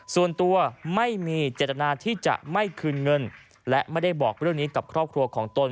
ส่วนตัวไม่มีเจตนาที่จะไม่คืนเงินและไม่ได้บอกเรื่องนี้กับครอบครัวของตน